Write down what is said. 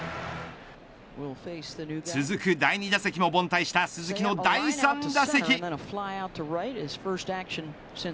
続く第２打席も凡退した鈴木の第３打席。